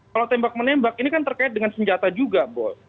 kalau tembak menembak ini kan terkait dengan senjata juga